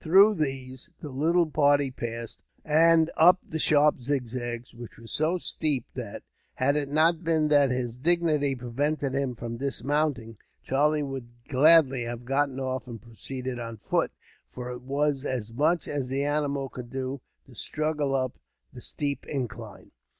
Through these the little party passed, and up the sharp zigzags, which were so steep that, had it not been that his dignity prevented him from dismounting, Charlie would gladly have got off and proceeded on foot; for it was as much as the animal could do, to struggle up the steep incline.